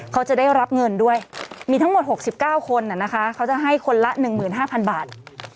เขาจะได้รับเงินด้วยมีทั้งหมดหกสิบเก้าคนเนี้ยนะคะเขาจะให้คนละหนึ่งหมื่นห้าพันบาท